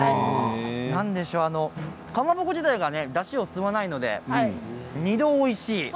何でしょう、かまぼこ自体がだしを吸わないので２度おいしい。